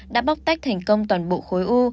đã bóc tách thành công toàn bộ khối u